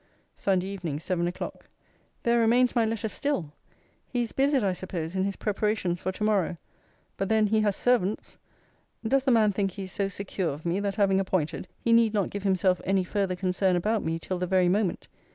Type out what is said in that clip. SUNDAY EVENING, SEVEN O'CLOCK. There remains my letter still! He is busied, I suppose, in his preparations for to morrow. But then he has servants. Does the man think he is so secure of me, that having appointed, he need not give himself any further concern about me till the very moment?